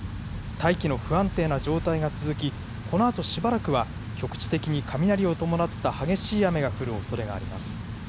大気の不安定な状態が続き、このあとしばらくは局地的に雷を伴った激しい雨が降るおそれがあります。